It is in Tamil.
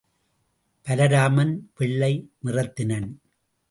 பலராமன் வெள்ளை நிறைத்தினன்.